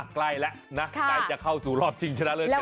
ใกล้แล้วนะได้จะเข้าสู่รอบจริงชนะเลิกกันแล้วค่ะ